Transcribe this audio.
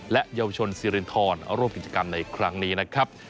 และเยาวชนสิรินทรร่วมกิจกรรมในครั้งนี้นะครับ